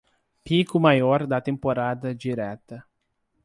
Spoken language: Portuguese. Pico Maior da Temporada Direta